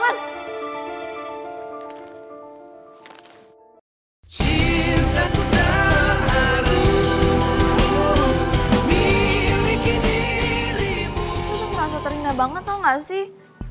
lu tuh rasa terindah banget tau gak sih